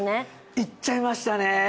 行っちゃいましたね。